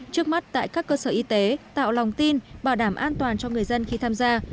trước mắt tại các cơ sở y tế tạo lòng tin bảo đảm an toàn cho người dân khi tham gia